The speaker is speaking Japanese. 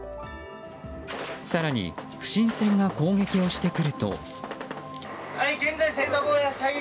更に不審船が攻撃をしてくると。